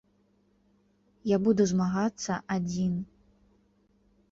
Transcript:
Я буду змагацца адзін.